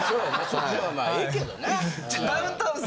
そっちの方がまあええけどな。